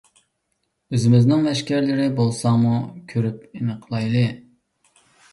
ئۆزىمىزنىڭ لەشكەرلىرى بولساڭمۇ، كۆرۈپ ئېنىقلايلى.